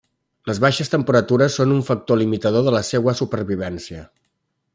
Les baixes temperatures són un factor limitador de la seua supervivència.